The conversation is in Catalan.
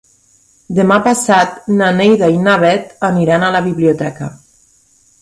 Demà passat na Neida i na Bet aniran a la biblioteca.